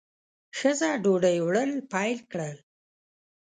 ښځه ډوډۍ وړل پیل کړل.